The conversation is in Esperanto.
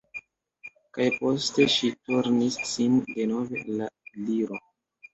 Kaj poste ŝi turnis sin denove al la Gliro.